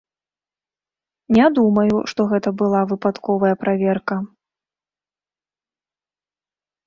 Не думаю, што гэта была выпадковая праверка.